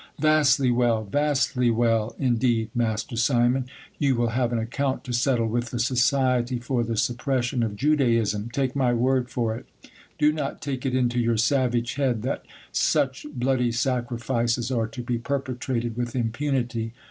Vastly well ! vastly well, indeed, Master Simon ! you will have an account to settle with the society for the suppression of Judaism, take my word for it. Do not take it into your savage head that such bloody sacrifices are to be perpetrated with impunity.